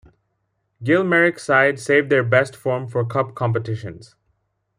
Gil Merrick's side saved their best form for cup competitions.